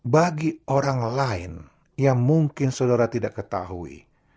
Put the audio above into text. bagi orang lain yang mungkin saudara tidak ketahui